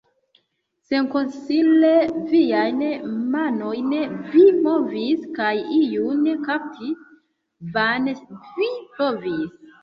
Senkonsile viajn manojn vi movis, kaj iun kapti vane vi provis.